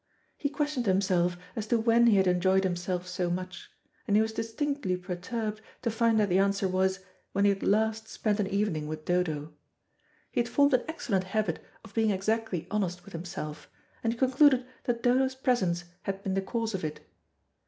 He questioned himself as to when he had enjoyed himself so much, and he was distinctly perturbed to find that the answer was, when he had last spent an evening with Dodo. He had formed an excellent habit of being exactly honest with himself, and he concluded that Dodo's presence had been the cause of it.